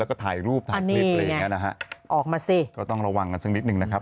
แล้วก็ถ่ายรูปถ่ายคลิปอะไรอย่างเงี้ยนะฮะออกมาสิก็ต้องระวังกันสักนิดหนึ่งนะครับ